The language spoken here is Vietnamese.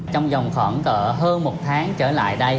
trong dòng khoảng hơn một tháng trở lại đây